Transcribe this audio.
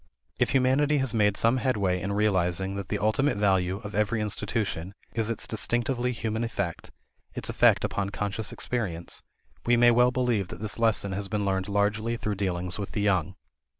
If humanity has made some headway in realizing that the ultimate value of every institution is its distinctively human effect its effect upon conscious experience we may well believe that this lesson has been learned largely through dealings with the young.